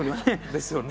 ですよね。